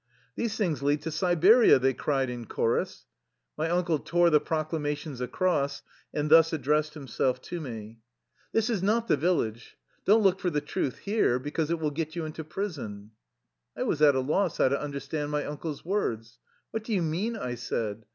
" These things lead to Siberia," they cried in chorus. My uncle tore the proclamations across, and thus addressed himself to me : 45 THE LIFE STOEY OF A RUSSIAN EXILE " This is not the village. Don't look for the truth here, because it will get you into prison." I was at a loss how to understand my uncle's words. "What do you mean?" I said.